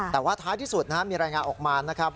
แต่ว่าท้ายที่สุดมีรายงานออกมานะครับ